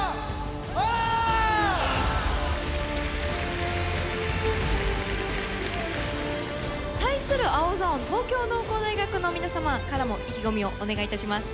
お！対する青ゾーン東京農工大学の皆さまからも意気込みをお願いいたします。